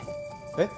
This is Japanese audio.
えっ。